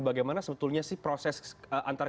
bagaimana sebetulnya sih proses antar